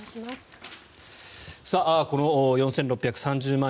この４６３０万